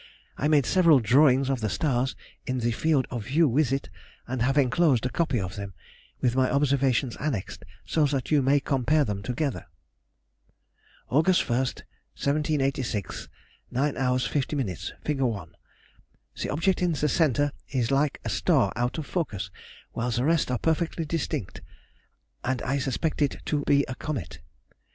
I made several drawings of the stars in the field of view with it, and have enclosed a copy of them, with my observations annexed, that you may compare them together. August 1, 1786, 9^h 50ʹ. Fig. 1. The object in the centre is like a star out of focus, while the rest are perfectly distinct, and I suspect it to be a comet.